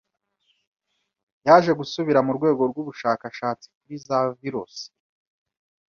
yaje gusubira mu rwego rw'ubushakashatsi kuri za virusi,